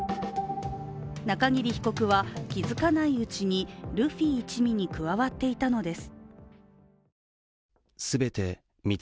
中桐被告は気づかないうちに、ルフィ一味に加わっていたのです。